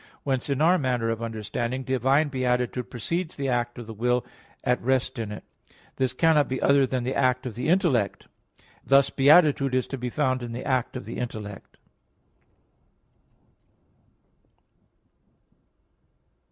Whence in our manner of understanding, divine beatitude precedes the act of the will at rest in it. This cannot be other than the act of the intellect; and thus beatitude is to be found in an act of the intellect.